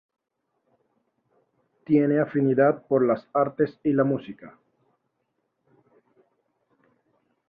Tiene afinidad por las artes y la música.